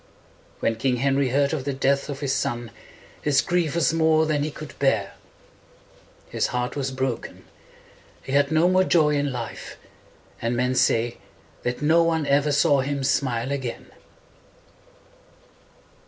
When King Henry heard of the death of his son his grief was more than he could bear. His heart was broken. He had no more joy in life; and men say that no one ever saw him smile again.